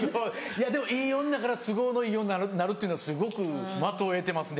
でもいい女から都合のいい女になるっていうのはすごく的を射てますね。